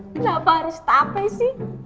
kenapa harus tape sih